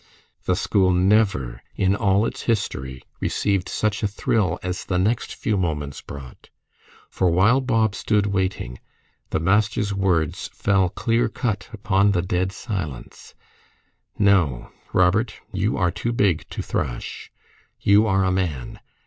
The school never, in all its history, received such a thrill as the next few moments brought; for while Bob stood waiting, the master's words fell clear cut upon the dead silence, "No, Robert, you are too big to thrash. You are a man.